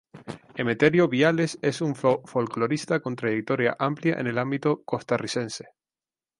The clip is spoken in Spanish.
Emeterio Viales: Es un folklorista con una trayectoria amplia en el ámbito costarricense.